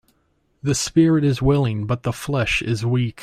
The spirit is willing but the flesh is weak.